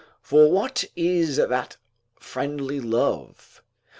["For what is that friendly love?